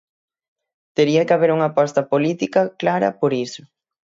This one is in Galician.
Tería que haber unha aposta política clara por iso.